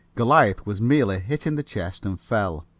Goliath was merely hit in the chest and fell.